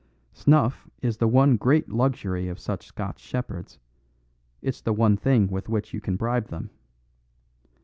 Snuff is the one great luxury of such Scotch shepherds; it's the one thing with which you can bribe them.